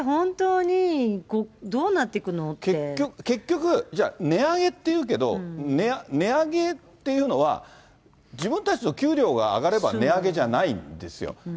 そこの問題って、結局、じゃあ値上げっていうけど、値上げっていうのは、自分たちの給料が上がれば値上げじゃないんですよ。